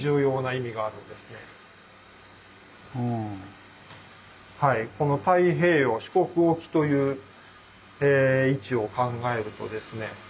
このこの「太平洋四国沖」という位置を考えるとですね。